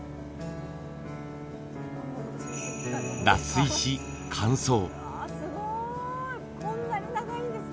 脱水し乾燥。